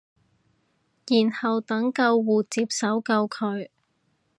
然後等救護接手救佢